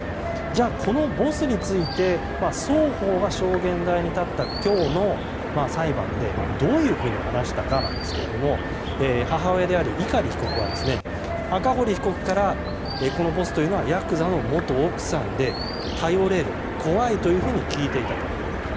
じゃあこのボスについて双方が証言台に立った今日の裁判でどういうふうに話したかですが母親である碇被告は赤堀被告からこのボスというのはヤクザの元奥さんで頼れる、怖いというふうに聞いていたと。